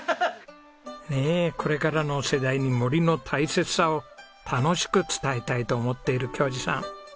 ねえこれからの世代に森の大切さを楽しく伝えたいと思っている恭嗣さん。